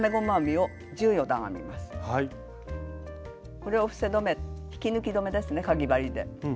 これを引き抜き止めですねかぎ針で。